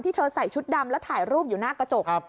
เธอใส่ชุดดำแล้วถ่ายรูปอยู่หน้ากระจก